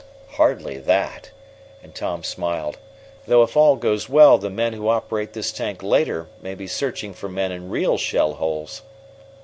"Hardly that," and Tom smiled. "Though if all goes well the men who operate this tank later may be searching for men in real shell holes."